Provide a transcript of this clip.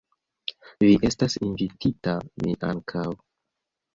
Vi estas invitita, mi ankaŭ.